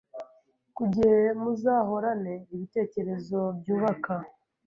ku igihe muzahorane ibitekerezo byubaka